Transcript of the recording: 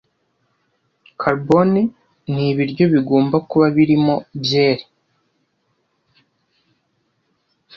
Carbone ni ibiryo bigomba kuba birimo Byeri